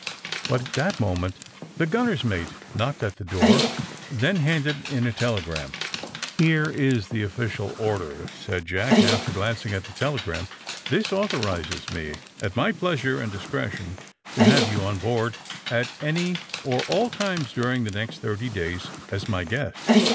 But at that moment the gunner 's mate knocked at the door, then handed in a telegram. 156 THE SUBMAEINE BOYS *^Here is the official order," said Jack, after glancing at the telegram. ^^This anthorizes me, at my pleasure and discretion, to have you on board at any or all times during the next thirty days as my guest.